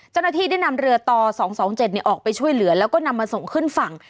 เจ้าหน้าที่ได้นำเรือต่อ๒๒๗ออกไปช่วยเหลือแล้วก็นำมาส่งขึ้นฝั่ง